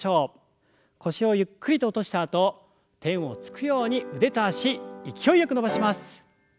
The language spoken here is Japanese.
腰をゆっくりと落としたあと天をつくように腕と脚勢いよく伸ばします。